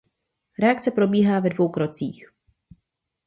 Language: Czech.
Reakce probíhá ve dvou krocích.